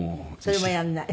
それもやらない？